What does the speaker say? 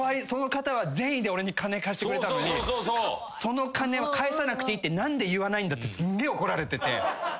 その方は善意で俺に金貸してくれたのにその金を返さなくていいって何で言わないんだってすげえ怒られてて。